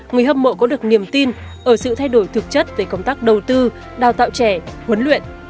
người hâm mộ có được niềm tin ở sự thay đổi thực chất về công tác đầu tư đào tạo trẻ huấn luyện